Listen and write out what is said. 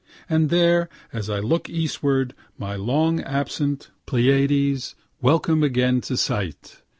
And there, as I look eastward, my long absent Pleiades, welcome again to sight.